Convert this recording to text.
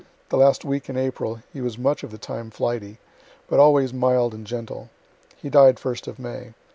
The last week in April he was much of the time flighty but always mild and gentle. He died first of May.